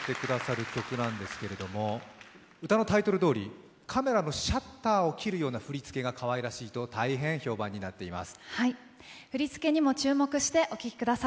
今夜歌ってくださる曲なんですが歌のタイトルどおりカメラのシャッターを押すときのようなしぐさが、かわいらしいと大変評判になっています。